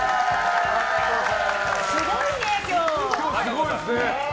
すごいね、今日。